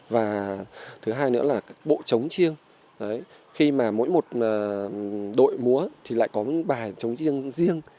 và thứ hai nữa là bộ chống chiêng khi mà mỗi một đội múa thì lại có bài chống riêng riêng